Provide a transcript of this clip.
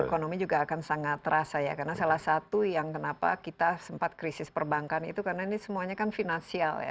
ekonomi juga akan sangat terasa ya karena salah satu yang kenapa kita sempat krisis perbankan itu karena ini semuanya kan finansial ya